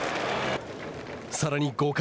さらに５回。